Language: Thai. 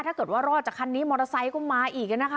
ถ้าเกิดว่ารอดจากคันนี้มอเตอร์ไซค์ก็มาอีกนะคะ